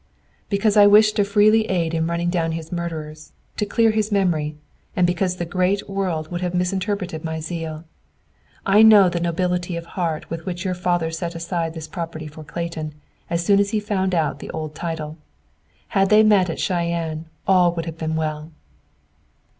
"Because I wished to freely aid in running down his murderers; to clear his memory, and because the great world would have misinterpreted my zeal. I know the nobility of heart with which your father set aside this property for Clayton, as soon as he found out the old title! Had they met at Cheyenne, all would have been well!"